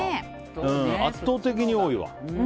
圧倒的に多いわ。